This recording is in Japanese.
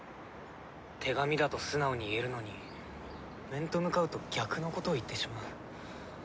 手紙だと素直に言えるのに面と向かうと逆のことを言ってしまう。